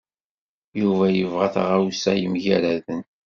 Yuba yebɣa taɣawsa yemgerraden.